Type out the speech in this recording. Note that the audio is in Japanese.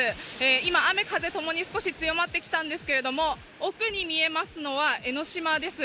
今、雨風ともに少し強まってきたんですけれども、奥に見えますのは江の島です。